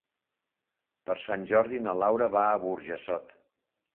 Per Sant Jordi na Laura va a Burjassot.